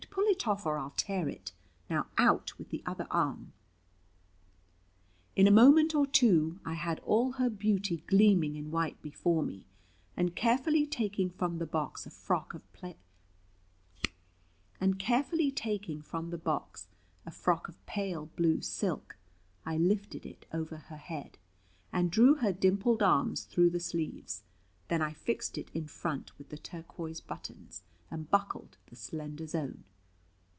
Pull it off, or I'll tear it. Now, out with the other arm." In a moment or two, I had all her beauty gleaming in white before me; and carefully taking from the box a frock of pale blue silk, I lifted it over her head, and drew her dimpled arms through the sleeves; then I fixed it in front with the turquoise buttons, and buckled the slender zone.